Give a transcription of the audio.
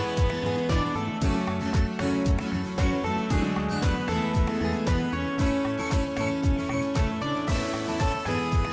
สวัสดีครับพี่สิทธิ์มหัน